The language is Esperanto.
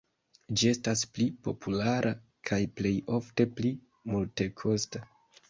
Ĝi estas pli populara kaj plej ofte pli multekosta.